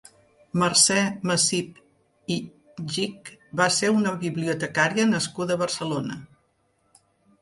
Mercè Macip i Gich va ser una bibliotecària nascuda a Barcelona.